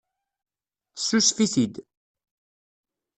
Tessusef-it-id.